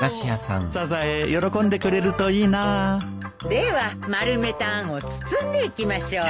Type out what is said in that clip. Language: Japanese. サザエ喜んでくれるといいなぁでは丸めたあんを包んでいきましょう。